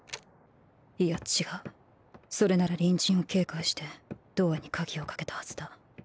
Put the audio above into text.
いや違うそれなら隣人を警戒してドアに鍵をかけたはずだ。